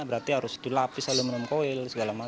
berarti harus dilapis nalumenem koil